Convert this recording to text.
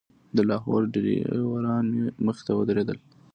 د لاهور ډریوران مې مخې ته ودرېدل.